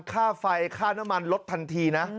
ค่าไฟค่าน้ำมันลดทันทีนะ